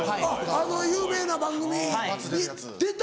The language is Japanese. あの有名な番組に出た？